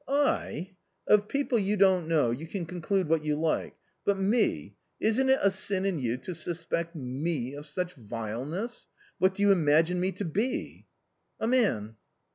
" I ! of people you don't know you can conclude what you like ; but me —isn't it a sin in you to suspect me of such vileness ? What do you imagine me to be ?"" A man."